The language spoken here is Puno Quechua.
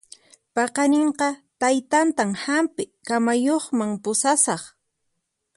Paqarinqa taytaytan hampi kamayuqman pusasaq